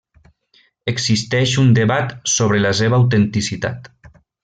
Existeix un debat sobre la seva autenticitat.